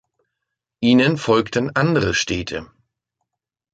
Ihnen folgten andere Städte.